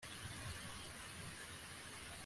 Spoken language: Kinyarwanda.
reka nkwereke hafi yumujyi nyuma ya saa sita